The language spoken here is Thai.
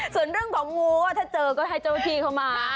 ส่วนเรื่องของงูถ้าเจอก็ให้เจ้าหน้าที่เข้ามา